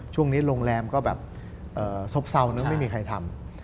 ช่วงนี้โรงแรมก็แบบซบเศร้าเนอะไม่มีใครทำ